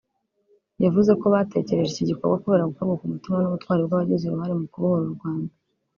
yavuze ko batekereje iki gikorwa kubera gukorwa ku mutima n’ubutwari bw’abagize uruhare mu kubohora u Rwanda